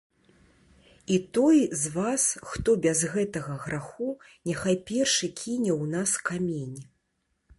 І той з вас, хто без гэтага граху, няхай першы кіне ў нас камень.